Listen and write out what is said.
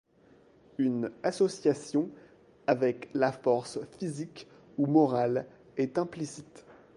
Une association avec la force physique ou morale est implicite.